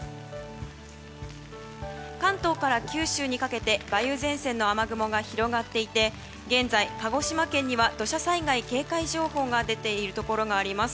関東から九州にかけて梅雨前線の雨雲が広がっていて現在、鹿児島県には土砂災害警戒情報が出ているところがあります。